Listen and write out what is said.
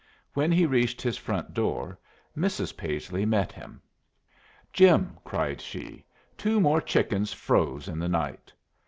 When he reached his front door Mrs. Paisley met him. "Jim," cried she, "two more chickens froze in the night."